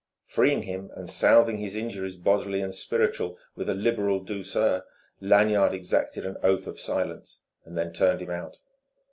Freeing him and salving his injuries bodily and spiritual with a liberal douceur, Lanyard exacted an oath of silence, then turned him out.